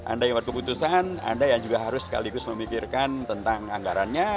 anda ikut keputusan anda yang juga harus sekaligus memikirkan tentang anggarannya